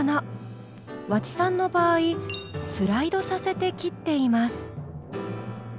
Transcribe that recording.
和知さんの場合スライドさせて切っています。